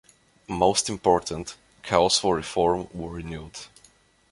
Most important, calls for reform were renewed.